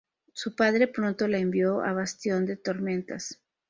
Su padre pronto la envió a Bastión de Tormentas.